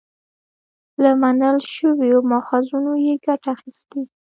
له منل شويو ماخذونو يې ګټه اخستې